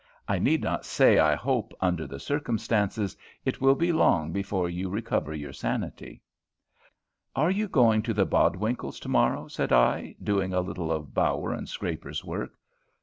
I need not say I hope, under the circumstances, it will be long before you recover your sanity." "Are you going to the Bodwinkles' to morrow?" said I, doing a little of Bower and Scraper's work.